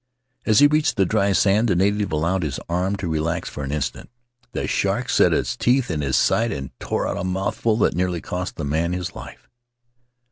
As he reached the dry sand the native allowed his arm to relax for an instant; the shark set its teeth in his side and tore out a mouthful that nearly cost the man his life."